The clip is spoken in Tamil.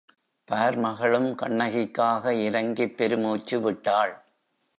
பார்மகளும் கண்ணகிக்காக இரங்கிப் பெருமூச்சு விட்டாள்.